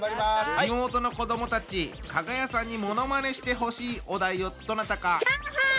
リモートの子どもたちかが屋さんにものまねしてほしいお題をどなたか。